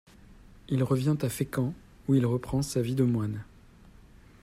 Il revient à Fécamp où il reprend sa vie de moine.